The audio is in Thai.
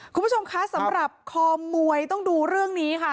คุณผู้ชมคะสำหรับคอมวยต้องดูเรื่องนี้ค่ะ